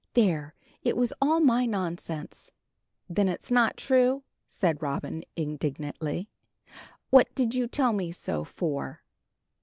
There; it was all my nonsense." "Then it's not true?" said Robin, indignantly. "What did you tell me so for?"